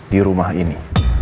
di rumah ini